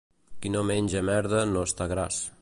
Qui no menja merda no està gras.